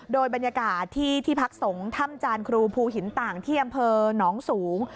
โดยบรรยากาศที่ที่พักสงฆ์ถ้ำจานครูภูหินต่างที่อำเภอหนองสูง